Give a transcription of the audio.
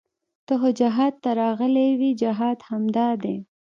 ته خو جهاد ته راغلى وې جهاد همدا دى.